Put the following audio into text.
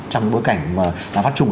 trong bối cảnh mà lạc phát trùng